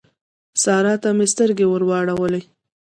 سارا ته مې سترګې ور واړولې.